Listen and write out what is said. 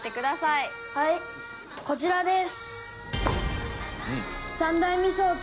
はいこちらです。